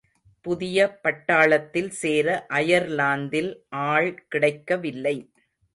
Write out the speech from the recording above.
புதிய பட்டாளத்தில் சேர அயர்லாந்தில் ஆள்கிடைக்கவில்லை.